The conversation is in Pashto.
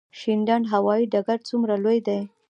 شینډنډ هوايي ډګر څومره لوی دی؟